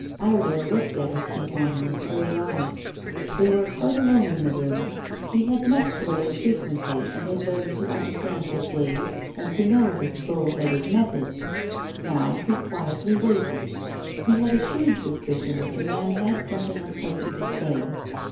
Iredale looked at his companion with grave eyes. They were quite alone in the room. He had met Grey frequently and had learned to understand his ways and to know his bull headed methods. Now he quietly waited. He had a shrewd suspicion that the man had something unpleasant to say.